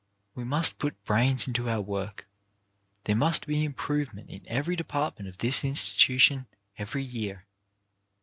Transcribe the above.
We must put brains into our work. There must be improvement in every department of this institution every year.